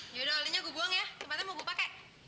yaudah olinya gue buang ya tempatnya mau gue pake